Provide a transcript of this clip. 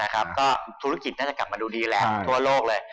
ก็ธุรกิจกลับมาดูดีแล้วทั่วโลกเลย